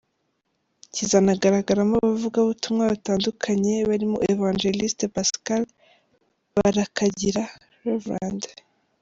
Kizanagaragaramo abavugabutumwa batandukanye barimo Evangeliste Pascal Barakagira, Rev.